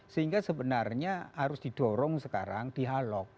sehingga sebenarnya harus didorong sekarang dialog